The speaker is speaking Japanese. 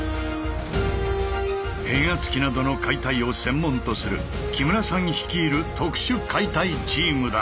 変圧器などの解体を専門とする木村さん率いる特殊解体チームだ。